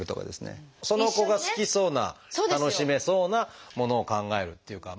その子が好きそうな楽しめそうなものを考えるっていうか。